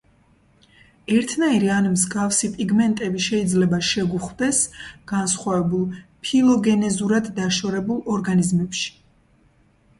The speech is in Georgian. ერთნაირი ან მსგავსი პიგმენტები შეიძლება შეგვხვდეს განსხვავებულ, ფილოგენეზურად დაშორებულ ორგანიზმებში.